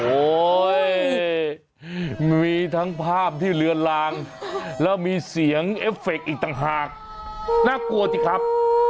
โอ้โหมีทั้งภาพที่เลือนลางแล้วมีเสียงเอฟเฟคอีกต่างหากน่ากลัวสิครับ